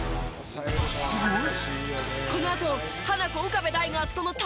すごい！